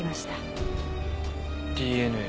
ＤＮＡ。